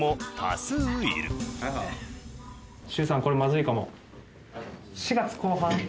これまずいかも。